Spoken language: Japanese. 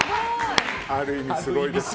ある意味すごいでしょ。